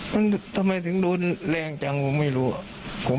มันทำไมถึงโดนแรงจังผมไม่รู้อ่ะ